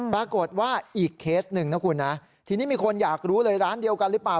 ปรากฏว่าอีกเคสหนึ่งนะคุณนะทีนี้มีคนอยากรู้เลยร้านเดียวกันหรือเปล่า